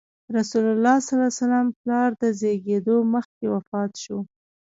رسول الله ﷺ پلار د زېږېدو مخکې وفات شو.